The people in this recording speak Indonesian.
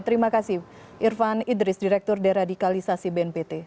terima kasih irfan idris direktur deradikalisasi bnpt